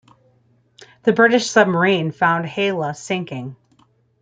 The British submarine found "Hela" sinking.